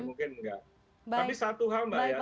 mungkin enggak tapi satu hal mbak ya